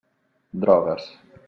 Drogues.